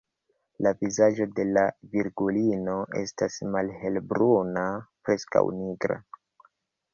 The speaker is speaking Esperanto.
La vizaĝo de la Virgulino estas malhelbruna, preskaŭ nigra.